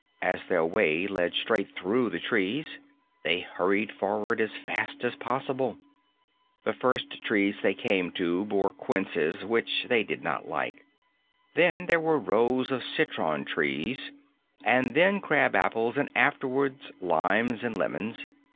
As their way led straight through the trees, they hurried forward as fast as possible. The first trees they came to bore quinces, which they did not like. Then there were rows of citron trees and then crab apples and afterward limes and lemons.